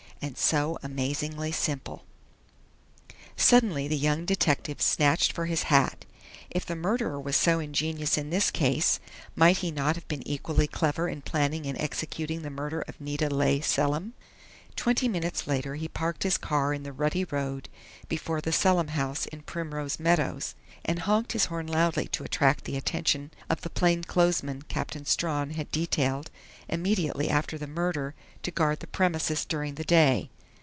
And so amazingly simple Suddenly the young detective snatched for his hat. If the murderer was so ingenious in this case, might he not have been equally clever in planning and executing the murder of Nita Leigh Selim? Twenty minutes later he parked his car in the rutty road before the Selim house in Primrose Meadows, and honked his horn loudly to attract the attention of the plainclothesmen Captain Strawn had detailed immediately after the murder to guard the premises during the day.